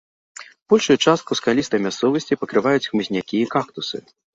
Большую частку скалістай мясцовасці пакрываюць хмызнякі і кактусы.